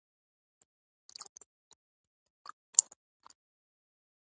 ژبه د تفاهم د زېږون اله ده